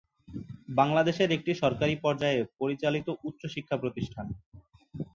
বাংলাদেশের একটি সরকারী পর্যায়ে পরিচালিত উচ্চ শিক্ষা প্রতিষ্ঠান।